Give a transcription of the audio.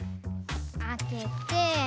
あけて。